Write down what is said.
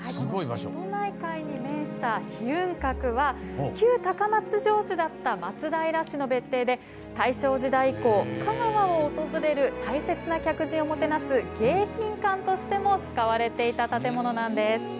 瀬戸内海に面した披雲閣は旧高松城主だった松平氏の別邸で大正時代以降、香川を訪れる大切な客人をもてなす迎賓館としても使われていた建物なんです。